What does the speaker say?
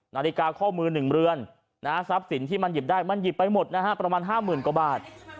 นาฬิกาข้อมือ๑เรือนทรัพย์สินที่มันหยิบได้มันหยิบไปหมดนะฮะประมาณ๕๐๐๐กว่าบาท